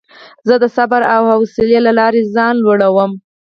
زه د صبر او حوصلې له لارې ځان لوړوم.